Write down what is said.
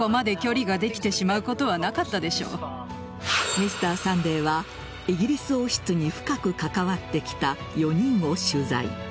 「Ｍｒ．サンデー」はイギリス王室に深く関わってきた４人を取材。